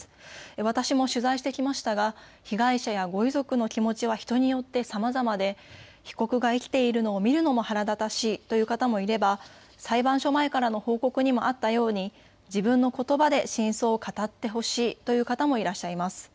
私も取材してきましたが被害者やご遺族の気持ちは人によってさまざまで被告が生きているのを見るのも腹立たしいという方もいれば裁判所前からの報告にもあったように自分のことばで真相を語ってほしいという方もいらっしゃいます。